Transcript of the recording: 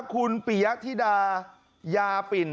คุณปิยะธิดายาปิ่น